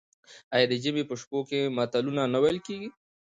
آیا د ژمي په شپو کې متلونه نه ویل کیږي؟